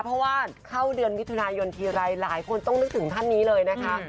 เพราะว่าเข้าเดือนมิถุนายนทีไรหลายคนต้องนึกถึงท่านนี้เลยนะคะ